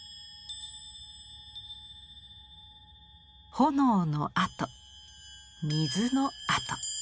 炎の跡水の跡。